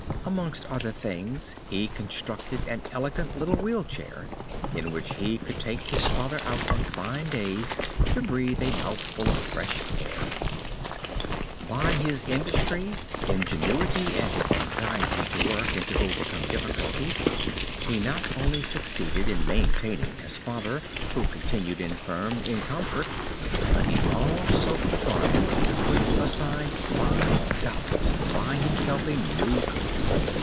Amongst other things he constructed an elegant little wheel chair, in which he could take his father out on fine days to breathe a mouthful of fresh air. By his industry, ingenuity and his anxiety to work and to overcome difficulties, he not only succeeded in maintaining his father, who continued infirm, in comfort, but he also contrived to put aside five dollars to buy himself a new coat.